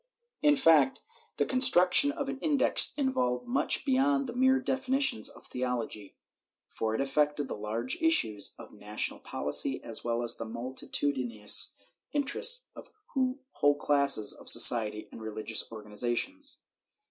In fact, the construction of an Index involved much beyond the mere defi nitions of theology, for it affected the large issues of national policy as well as the multitudinous interests of whole classes of society and refigious organizations.